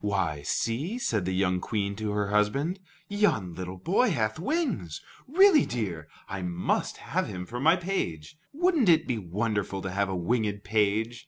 "Why, see," said the young Queen to her husband, "yon little boy hath wings. Really, dear, I must have him for my page. Would n't it be wonderful to have a winged page?